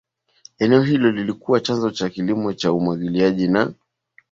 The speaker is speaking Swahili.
Eneo hilo ilikuwa chanzo cha kilimo cha umwagiliaji na